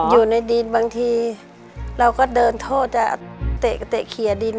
อยู่ในดินบางทีเราก็เดินโทษเตะเขียดิน